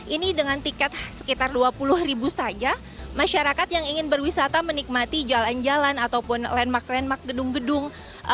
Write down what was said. ini dengan tiket sekitar dua puluh ribu saja masyarakat yang ingin berwisata menikmati jalan jalan ataupun landmark landmark gedung gedung